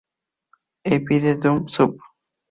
Epidendrum subg.